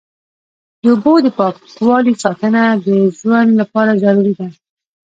د اوبو د پاکوالي ساتنه د ژوند لپاره ضروري ده.